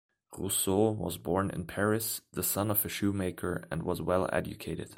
Rousseau was born in Paris, the son of a shoemaker, and was well educated.